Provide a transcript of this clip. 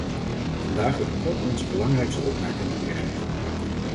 Vandaag wil ik kort onze belangrijkste opmerkingen weergeven.